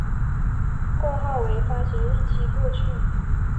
括号为发行日期过去